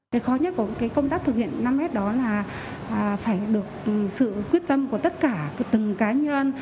cái khó nhất của cái công tác thực hiện năm s đó là phải được sự quyết tâm của tất cả từng cá nhân